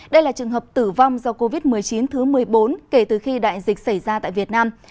đây là trường hợp tử vong do covid một mươi chín thứ một mươi bốn kể từ khi đại dịch xảy ra tại việt nam